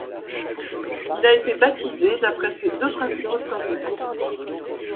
Il a été baptisé d'après ses deux principaux sommets.